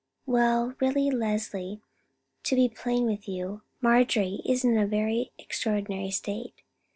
"Well, really, Leslie, to be plain with you, Marjorie is in a very extraordinary state.